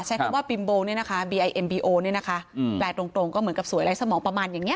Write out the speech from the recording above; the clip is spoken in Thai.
ใช้คำว่าบิมโบเนี่ยนะคะแปลตรงก็เหมือนกับสวยไร้สมองประมาณอย่างเนี่ย